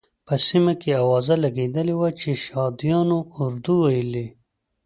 په سیمه کې اوازه لګېدلې وه چې شهادیانو اردو ویلې.